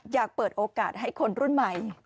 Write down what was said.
อยากเปิดโอกาสให้คนรุ่นใหม่